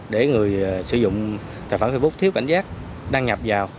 để người sử dụng tài khoản facebook thiếu cảnh giác đăng nhập vào